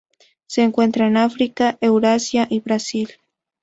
Se encuentra en África, Eurasia y Brasil.